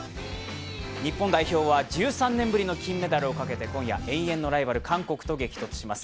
日本代表は１３年ぶりの金メダルをかけて今夜、永遠のライバル、韓国と激突します。